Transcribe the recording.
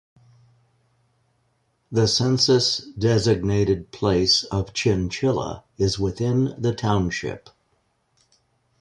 The census-designated place of Chinchilla is within the township.